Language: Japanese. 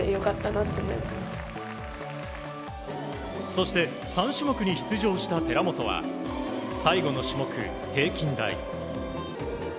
そして、３種目に出場した寺本は最後の種目、平均台。